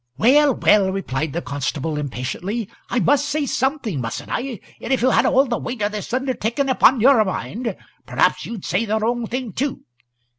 "Well, well," replied the constable, impatiently, "I must say something, mustn't I? And if you had all the weight o' this undertaking upon your mind perhaps you'd say the wrong thing too.